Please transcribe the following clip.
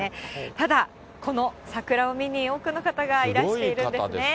ただ、この桜を見に多くの方がいらしているんですね。